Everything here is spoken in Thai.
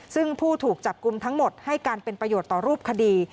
ซึ่งผู้ถูกจับกลุ่มทั้งหมดให้การเป็นประโยชน์ต่อรูปคดี